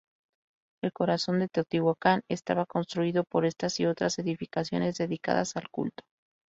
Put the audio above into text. El corazón de Teotihuacán estaba constituido por estas y otras edificaciones dedicadas al culto.